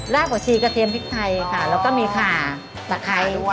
ราบขวชีกระเทียมพริกไทยค่ะแล้วก็มีขาปลาไคร้